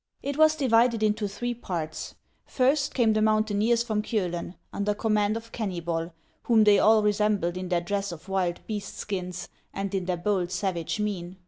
It was divided into three parts. First came the mountaineers from Kiolen, under command of Kennybol, whom they all resembled in their dress of wild beasts' skins, and in their bold, savage mien.